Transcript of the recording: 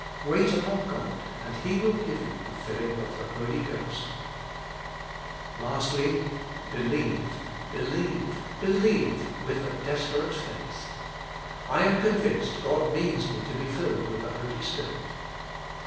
Wait upon God and He will give you the filling of the Holy Ghost. Lastly, believe! believe! believe! withadesperate faith. I am convinced God means me to be filled with the Holy Spirit.